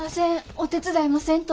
お手伝いもせんと。